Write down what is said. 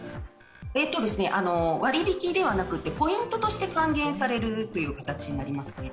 割り引きではなくてポイントとして還元されるという形になりますね。